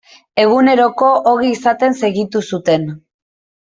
Eguneroko ogi izaten segitu zuten.